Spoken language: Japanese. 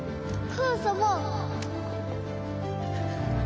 母様！